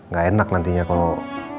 gak enak nantinya kalau